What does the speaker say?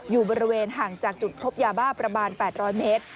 อยู่บริเวณห่างจากจุดพบยาบ้าประมาณ๘๐๐เมตร